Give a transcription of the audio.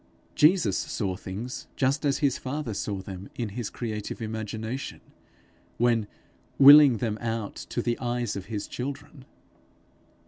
Jesus saw things just as his father saw them in his creative imagination, when willing them out to the eyes of his children.